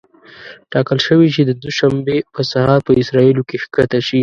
ټاکل شوې چې د دوشنبې په سهار په اسرائیلو کې ښکته شي.